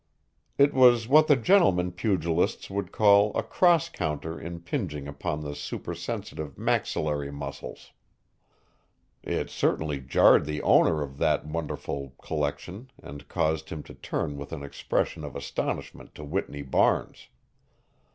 It was what the gentlemen pugilists would call a cross counter impinging upon the supersensitive maxillary muscles. It certainly jarred the owner of that wonderful collection and caused him to turn with an expression of astonishment to Whitney Barnes.